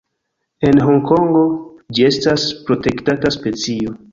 En Hongkongo, ĝi estas protektata specio.